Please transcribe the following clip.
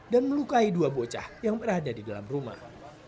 dan melukai dua bocah yang berada di dalam rumah